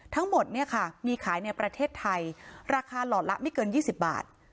ทั้งหมดเนี่ยค่ะมีขายในประเทศไทยราคาหลอดละไม่เกินยี่สิบบาท